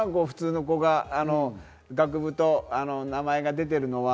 普通の子が学部と名前が出てるのは。